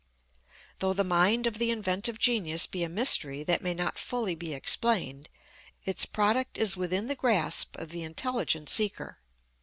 Though the mind of the inventive genius be a mystery that may not fully be explained, its product is within the grasp of the intelligent seeker.